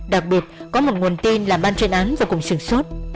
đặc biệt có một nguồn tin làm ban truyền án vô cùng sừng sốt